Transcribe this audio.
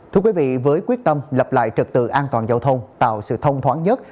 thưa quý vị với quyết tâm lập lại trật tự an toàn giao thông tạo sự thông thoáng nhất